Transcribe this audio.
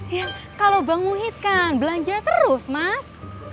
ya kalau bang muhid kan belanja terus mas